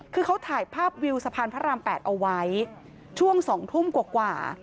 คือเขาถ่ายภาพวิวสะพานพระราม๘เอาไว้ช่วง๒ทุ่มกว่า